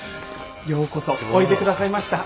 ようこそおいでくださいました。